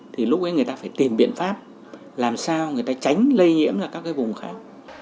thì lúc ấy người ta phải tìm biện pháp làm sao người ta tránh lây nhiễm ra các cái vùng khác